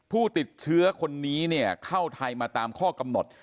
ผู้ติดเชื้อคนนี้เนี่ยเข้าไทยมาตามข้อกำหนด